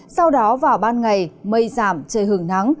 sau đó vào ban ngày mây giảm trời hứng nắng